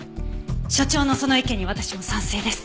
所長のその意見に私も賛成です。